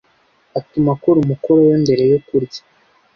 Atuma akora umukoro we mbere yo kurya.